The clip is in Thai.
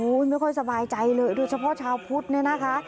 ไม่ค่อยสบายใจเลยโดยเฉพาะชาวพุทธเนี่ยนะคะ